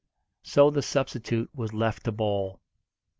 So the substitute was left to bowl.